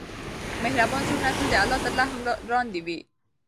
مهربان زړونه تل د الله تر رحم لاندې وي.